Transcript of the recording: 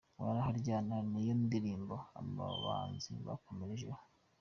Urare aharyana niyo ndirimbo aba bahanzi bakomerejeho.